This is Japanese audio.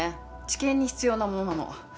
治験に必要なものなの。